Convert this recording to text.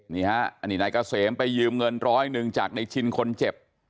นี่ฮะอันนี้นายเกษมไปยืมเงินร้อยหนึ่งจากในชินคนเจ็บ